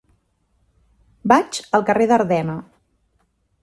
Vaig al carrer d'Ardena.